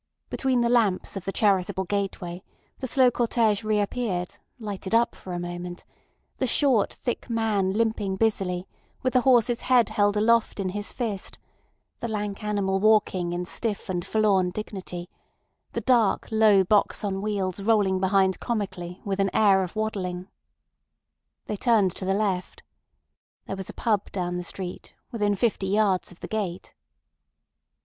Between the lamps of the charitable gateway the slow cortege reappeared, lighted up for a moment, the short, thick man limping busily, with the horse's head held aloft in his fist, the lank animal walking in stiff and forlorn dignity, the dark, low box on wheels rolling behind comically with an air of waddling. They turned to the left. There was a pub down the street, within fifty yards of the gate.